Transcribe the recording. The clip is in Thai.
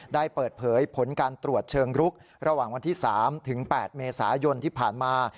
ได้เปิดเผยผลการตรวจเชิงรุกระหว่างวันที่๓ถึง๘เมษายนที่ผ่านมา